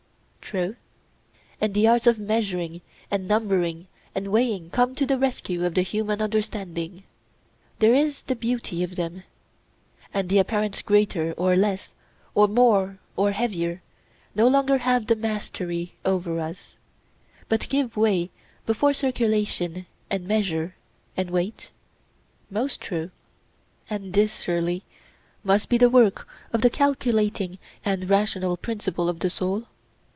True. And the arts of measuring and numbering and weighing come to the rescue of the human understanding—there is the beauty of them—and the apparent greater or less, or more or heavier, no longer have the mastery over us, but give way before calculation and measure and weight? Most true. And this, surely, must be the work of the calculating and rational principle in the soul?